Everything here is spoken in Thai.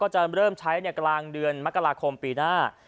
จะเริ่มใช้ในกลางเดือนมกราคมปีหน้า